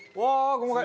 細かい。